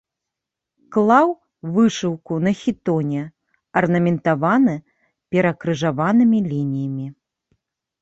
Клаў, вышыўка на хітоне, арнаментаваны перакрыжаванымі лініямі.